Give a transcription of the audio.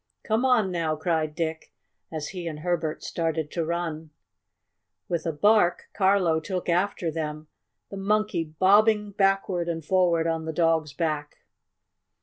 "Come on, now!" cried Dick, and he and Herbert started to run. With a bark Carlo took after them, the Monkey bobbing backward and forward on the dog's back.